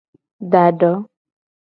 Da do.